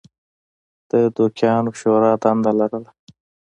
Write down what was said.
د دوکیانو شورا دنده لرله.